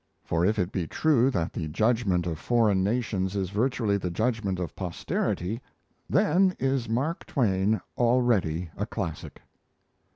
For if it be true that the judgment of foreign nations is virtually the judgment of posterity, then is Mark Twain already a classic.